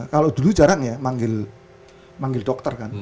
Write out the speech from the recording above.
kalau dulu jarang ya manggil dokter kan